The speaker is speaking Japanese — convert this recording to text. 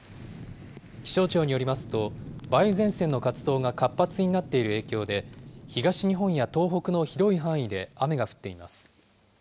気象庁によりますと、梅雨前線の活動が活発になっている影響で、東日本や東北の広い範囲で雨が降っています。